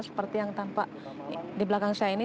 seperti yang tampak di belakang saya ini